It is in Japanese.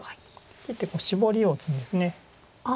切ってシボリを打つんです。